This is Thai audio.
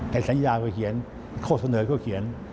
สัญญาก็เขียนข้อเสนอก็เขียน